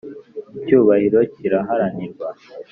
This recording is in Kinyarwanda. icyubahiro kiraharanirwa